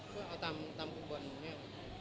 คุณเอาตามตามคุณบรรณเนี่ย